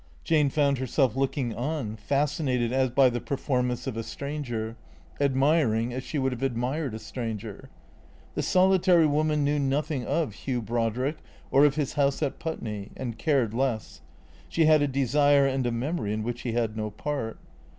Jane found herself looking on, fascinated as by the performance of a stranger, admiring as she would have admired a stranger. The solitary woman knew nothing of Hugh Brodrick or of his house at Putney, and cared less ; she had a desire and a memory in which he had no part.